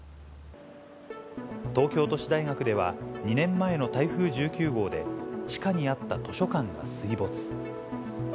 東京都市大学では２年前の台風１９号で、地下にあった図書館が水没。